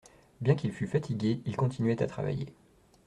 Bien qu’il fût fatigué, il continuait à travailler.